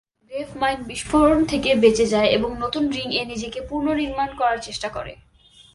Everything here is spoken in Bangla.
গ্রেভমাইন্ড বিষ্ফোরণ থেকে বেঁচে যায় এবং নতুন রিং এ নিজেকে পুনঃনির্মাণ করার চেষ্টা করে।